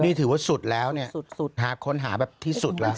นี่ถือว่าสุดแล้วเนี่ยสุดหาค้นหาแบบที่สุดแล้ว